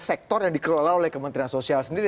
sektor yang dikelola oleh kementerian sosial sendiri